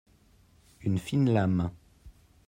Une fine lame